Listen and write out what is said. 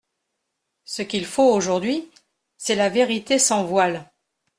Ce qu'il faut aujourd'hui, c'est la vérité sans voiles.